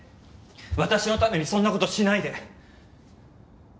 私のためにそんな事しないで。